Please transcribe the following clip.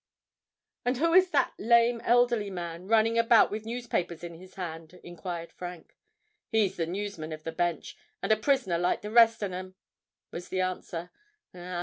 "And who is that lame, elderly man, running about with newspapers in his hand?" enquired Frank. "He's the newsman of the Bench—and a prisoner like the rest on 'em," was the answer.